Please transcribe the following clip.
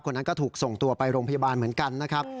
นั้นก็ถูกส่งตัวไปโรงพยาบาลเหมือนกันนะครับ